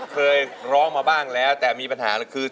เคยร้องมาบ้างแล้วแต่มีปัญหาคือ